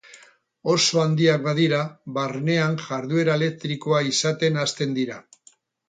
Oso handiak badira, barnean jarduera elektrikoa izaten hasten dira.